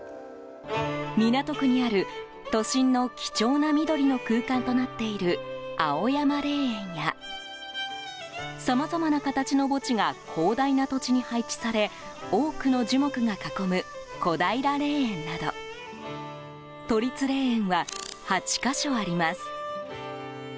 港区にある、都心の貴重な緑の空間となっている青山霊園やさまざまな形の墓地が広大な土地に配置され多くの樹木が囲む小平霊園など都立霊園は８か所あります。